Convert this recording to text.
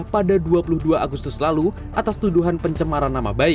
pada dua puluh dua agustus lalu atas tuduhan pencemaran nama baik